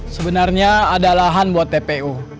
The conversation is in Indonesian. sebenarnya ada lahan buat tpu